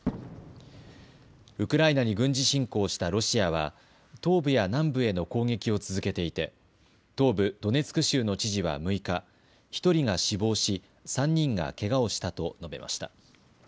ウクライナに軍事侵攻したロシアは東部や南部への攻撃を続けていて東部ドネツク州の知事は６日、１人が死亡し３人がけがをしたと述べました。